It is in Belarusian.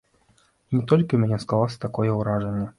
І не толькі ў мяне склалася такое ўражанне.